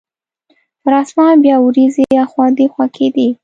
پر اسمان بیا وریځې اخوا دیخوا کیدې.